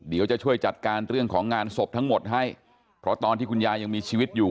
เดี๋ยวจะช่วยจัดการเรื่องของงานศพทั้งหมดให้เพราะตอนที่คุณยายยังมีชีวิตอยู่